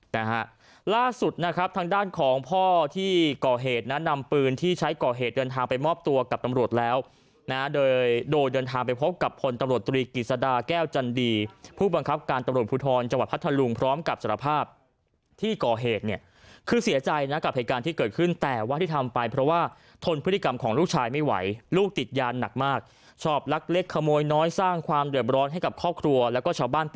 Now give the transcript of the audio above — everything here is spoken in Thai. นะฮะล่าสุดนะครับทางด้านของพ่อที่ก่อเหตุนะนำปืนที่ใช้ก่อเหตุเดินทางไปมอบตัวกับตำรวจแล้วนะโดยโดยเดินทางไปพบกับผลตำรวจตรีกิจสดาแก้วจันดีผู้บังคับการตำรวจภูทรจังหวัดพัทธาลุงพร้อมกับสารภาพที่ก่อเหตุเนี่ยคือเสียใจนะกับเหตุการณ์ที่เกิดขึ้นแต่ว่าที่ทำไปเพราะว่า